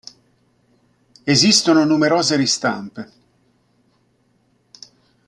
Esistono numerose ristampe.